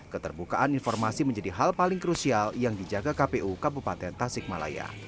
keterbukaan informasi menjadi hal paling krusial yang dijaga kpu kabupaten tasikmalaya